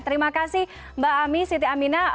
terima kasih mbak ami siti amina